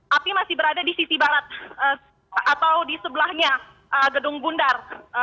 api masih berada di sisi barat atau di sebelahnya gedung bundar